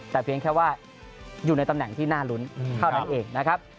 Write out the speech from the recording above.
แต่เพียงแค่ว่าอยู่ในตำแหน่งที่น่ารุ้นเท่านั้นเองนะครับ